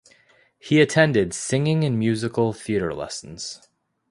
He attended singing and musical theatre lesson.